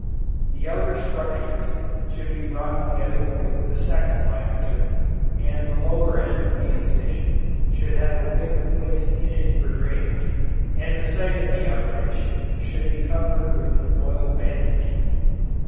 The outer structures should be brought together with a second ligature, and the lower end of the incision should have a wick placed in it for drainage, and the site of operation should be covered with an oil bandage.